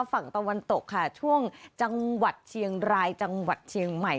ฝั่งตะวันตกค่ะช่วงจังหวัดเชียงรายจังหวัดเชียงใหม่